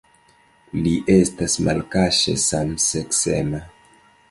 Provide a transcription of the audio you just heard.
Li estas malkaŝe samseksema.